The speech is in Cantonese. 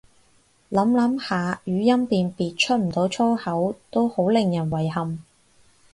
諗諗下語音辨識出唔到粗口都好令人遺憾